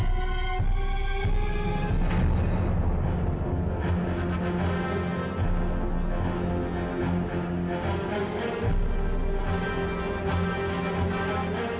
kami kena studied bentuknya besarnya